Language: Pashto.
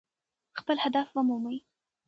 خپل هدف ومومئ.